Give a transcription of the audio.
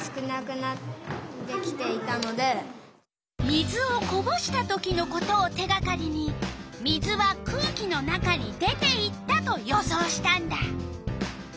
水をこぼした時のことを手がかりに水は空気の中に出ていったと予想したんだ。